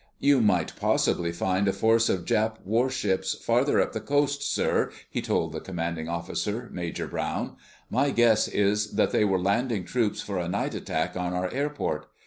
"You might possibly find a force of Jap warships farther up the coast, sir," he told the commanding officer, Major Browne. "My guess is that they were landing troops for a night attack on our airport.